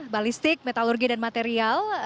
balistik metalurgi dan material